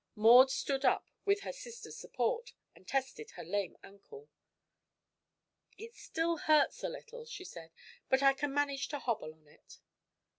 Maud stood up, with her sister's support, and tested her lame ankle. "It still hurts a little," she said, "but I can manage to hobble on it."